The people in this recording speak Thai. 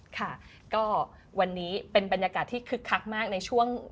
ค่ะก็วันนี้เป็นบรรยากาศที่คึกคักมากในช่วง